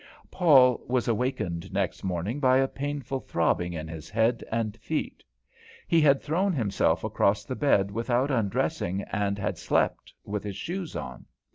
Paul was awakened next morning by a painful throbbing in his head and feet. He had thrown himself across the bed without undressing, and had slept with his shoes on.